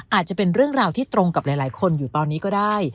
อาจจะเป็นเรื่องราวที่ตรงกับหลายคนอยู่ตอนนี้ก็ได้